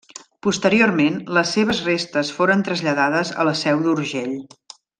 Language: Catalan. Posteriorment, les seves restes foren traslladades a La Seu d'Urgell.